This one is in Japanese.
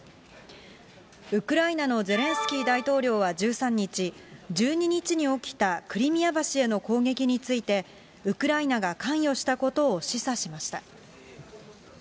ウクライナのゼレンスキー大統領は１３日、１２日に起きたクリミア橋への攻撃について、ウクライナが関与したことを示唆しました。